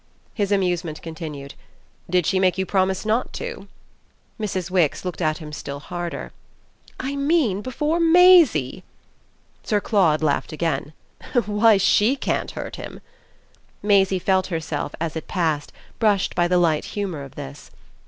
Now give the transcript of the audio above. His amusement continued. "Did she make you promise not to?" Mrs. Wix looked at him still harder. "I mean before Maisie." Sir Claude laughed again. "Why SHE can't hurt him!" Maisie felt herself, as it passed, brushed by the light humour of this.